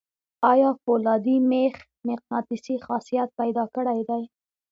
آیا فولادي میخ مقناطیسي خاصیت پیدا کړی دی؟